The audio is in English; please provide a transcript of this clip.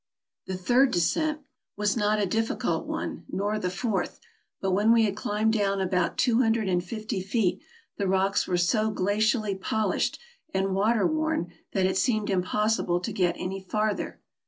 The third descent was not a difficult one, nor the fourth; but when we had climbed down about two hundred and fifty feet the rocks were so glacially polished and water worn that it seemed impossible to get any farther.